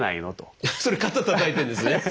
それ肩たたいてんですね。